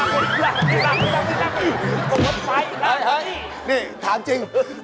นี่ถามจริง